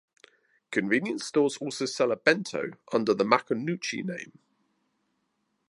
Convenience stores also sell a bento under the Makunouchi name.